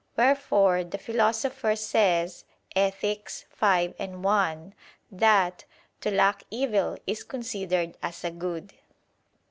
Wherefore the Philosopher says (Ethic. v, 1) that "to lack evil is considered as a good."